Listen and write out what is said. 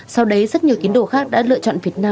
sau đấy rất nhiều tín đồ khác đã lựa chọn việt nam